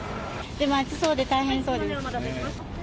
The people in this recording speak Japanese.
でも暑そうで大変そうです。